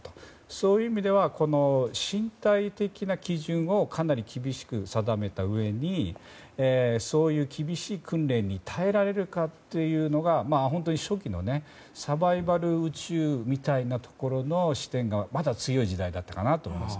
そういう意味では身体的な基準をかなり厳しく定めたうえにそういう厳しい訓練に耐えられるかというのが初期のサバイバル宇宙みたいなところの視点がまだ強い時代だったかなと思います。